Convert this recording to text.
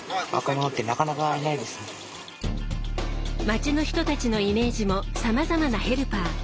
街の人たちのイメージもさまざまなヘルパー。